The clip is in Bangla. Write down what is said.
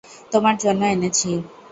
তোমার জন্য এনেছি।